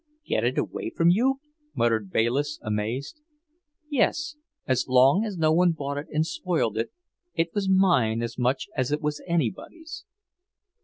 "Get it away from you?" muttered Bayliss, amazed. "Yes. As long as no one bought it and spoiled it, it was mine as much as it was anybody's."